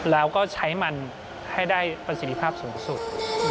แล้วก็ใช้มันให้ได้ประสิทธิภาพสูงสุด